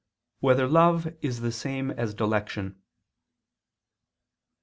3] Whether Love Is the Same As Dilection?